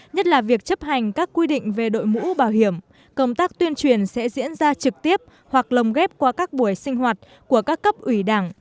nhất là việc chấp hành các quy định về đội mũ bảo hiểm công tác tuyên truyền sẽ diễn ra trực tiếp hoặc lồng ghép qua các buổi sinh hoạt của các cấp ủy đảng